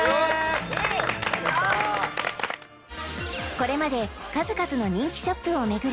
これまで数々の人気ショップを巡り